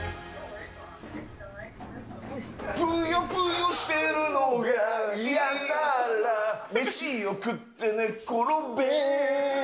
ぷよぷよしてるのが嫌なら、飯を食って寝ころべ。